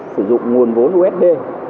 sử dụng nguồn vốn usd